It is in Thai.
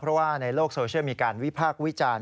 เพราะว่าในโลกโซเชียลมีการวิพากษ์วิจารณ์